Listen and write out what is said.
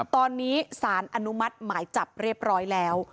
ตอนนี้สารอนุมัติหมายจับเรียบร้อยแล้ว